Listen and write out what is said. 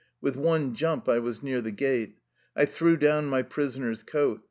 With one jump I was near the gate. I threw down my prisoner's coat.